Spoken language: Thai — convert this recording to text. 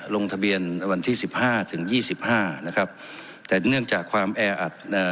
ลงทะเบียนวันที่สิบห้าถึงยี่สิบห้านะครับแต่เนื่องจากความแออัดเอ่อ